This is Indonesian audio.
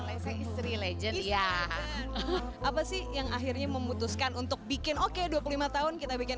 lese istri legend iya apa sih yang akhirnya memutuskan untuk bikin oke dua puluh lima tahun kita bikin